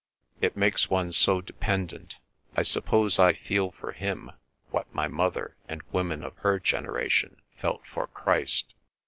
It makes one so dependent. I suppose I feel for him what my mother and women of her generation felt for Christ.